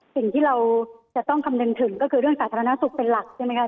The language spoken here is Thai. สิ่งที่เราจะต้องคำนึงถึงก็คือเรื่องสาธารณสุขเป็นหลักใช่ไหมคะ